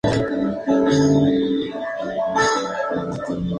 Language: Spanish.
En algunos casos el maíz tiene un papel muy importante.